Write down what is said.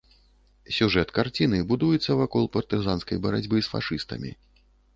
Сюжэт карціны будуецца вакол партызанскай барацьбы з фашыстамі.